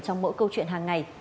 trong mỗi câu chuyện hàng ngày